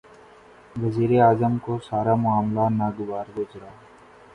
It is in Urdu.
وزیر اعظم کو سارا معاملہ ناگوار گزرا۔